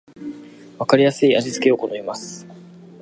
わかりやすい味付けを好みます